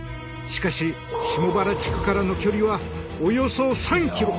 しかし下原地区からの距離はおよそ３ｋｍ。